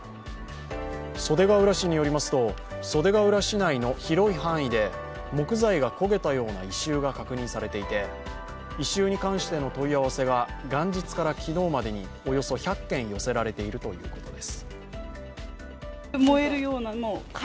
袖ケ浦市によりますと、袖ケ浦市内の広い範囲で木材が焦げたような異臭が確認されていて異臭に関しての問い合わせが元日から昨日までにおよそ１００件寄せられているということです。